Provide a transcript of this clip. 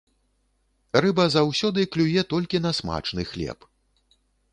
Рыба заўсёды клюе толькі на смачны хлеб.